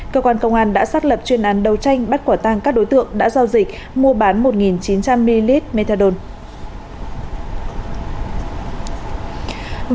cơ quan công an đã xác lập chuyên án đầu tranh bắt quả tăng các đối tượng đã giao dịch mua bán một chín trăm linh ml methadone